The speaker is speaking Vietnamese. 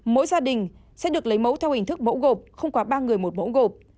mỗi gia đình sẽ được lấy mẫu theo hình thức mẫu gộp không quá ba người một mẫu gộp